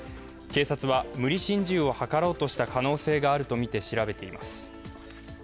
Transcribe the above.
警察は、無理心中を図ろうとした可能性があるとみて調べています。